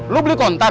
lo beli kontan